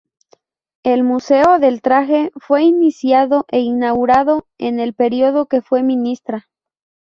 El Museo del Traje fue iniciado e inaugurado en el periodo que fue ministra.